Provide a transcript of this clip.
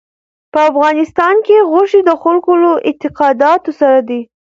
په افغانستان کې غوښې د خلکو له اعتقاداتو سره دي.